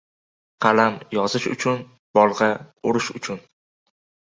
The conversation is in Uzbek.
• Qalam — yozish uchun, bolg‘a — urush uchun.